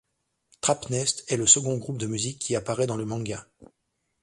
Trapnest, est le second groupe de musique qui apparait dans le manga.